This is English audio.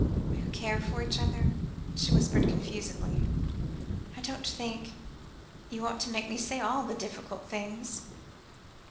"Who care for each other," she whispered confusedly. "I don't think you ought to make me say all the difficult things."